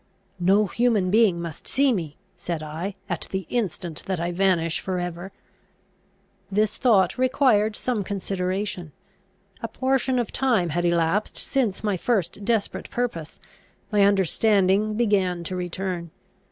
"No human being must see me," said I, "at the instant that I vanish for ever." This thought required some consideration. A portion of time had elapsed since my first desperate purpose. My understanding began to return.